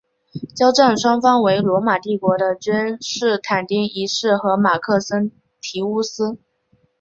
交战双方为罗马帝国的君士坦丁一世和马克森提乌斯。